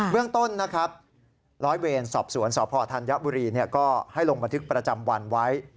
เรื่องต้นนะครับร้อยเวรสอบสวนสพธัญบุรีก็ให้ลงบันทึกประจำวันไว้